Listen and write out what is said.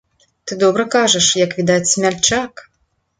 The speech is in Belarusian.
Ты добра кажаш, як відаць, смяльчак!